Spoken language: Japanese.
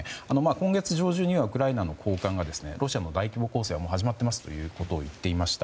今月上旬にはウクライナの高官がロシアの大規模攻勢はすでに始まっていますと言っていました。